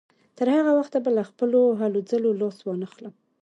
تر هغه وخته به له خپلو هلو ځلو لاس وانهخلم.